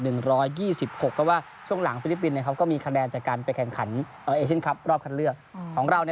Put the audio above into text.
เพราะว่าช่วงหลังฟิลิปปินส์ก็มีคะแนนจากการไปแข่งขัน